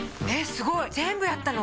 すごい全部やったの？